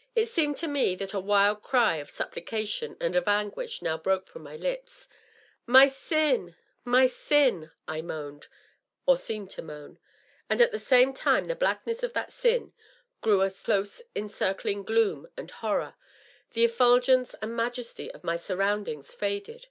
.. It seemed to me that a wild cry of supplication and of anguish now broke from my lips. " Jtfy %in! my «i7i/" I moaned, or seemed to moan. And at the same instant the blackness of that sin grew a close encircling gloom and horror. .. The efiiilgence and majesty of my surroundings faded.